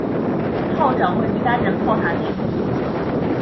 炮长位于单人炮塔内部左侧。